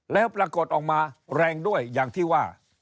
แล้วปรากฏออกมาแรงด้วยอย่างที่ว่า